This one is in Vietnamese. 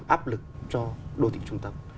ấp lực cho đô thị trung tâm